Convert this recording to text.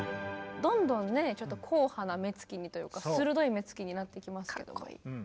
どんどんねちょっと硬派な目つきにというか鋭い目つきになってきますけども。